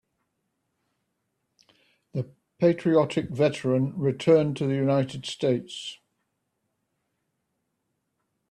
The patriotic veteran returned to the United States.